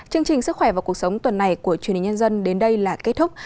chương trình sức khỏe và cuộc sống tuần này của truyền hình nhân dân đến đây là kết thúc